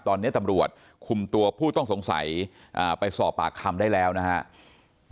ตอนนี้ตำรวจคุมตัวผู้ต้องสงสัยไปสอบปากคำได้แล้วนะครับ